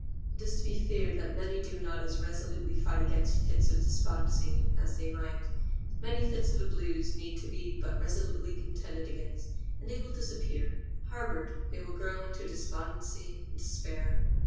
It is to be feared that many do not as resolutely fight against fits of despondency as they might. Many fits of the blues need but to be resolutely contended against, and they will disappear; harbored, they will grow into despondency and despair.